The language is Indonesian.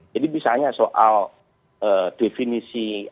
jadi misalnya soal definisi kesehatan